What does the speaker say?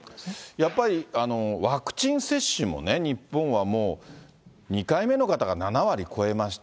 やっぱり、ワクチン接種もね、日本はもう、２回目の方が７割超えました。